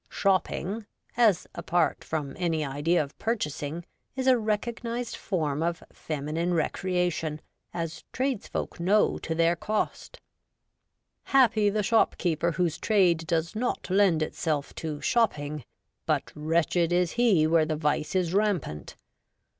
' Shopping,' as apart from any idea of purchasing, is a recognised form of feminine recreation, as tradesfolk know to their cost. Happy the shopkeeper whose trade does not lend itself to ' shopping,' but wretched is he where the vice is rampant.